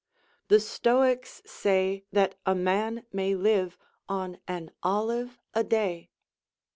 The Stoics say that a man may live on an olive a day.